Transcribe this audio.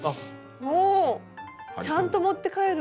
おちゃんと持って帰る。